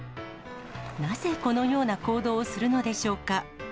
なぜこのような行動をするのでしょうか。